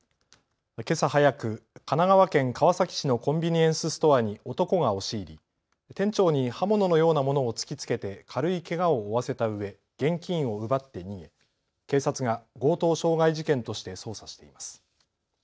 けさ早く、神奈川県川崎市のコンビニエンスストアに男が押し入り店長に刃物のようなものを突きつけて軽いけがを負わせたうえ、現金を奪って逃げ警察が強盗傷害事件として捜査しています。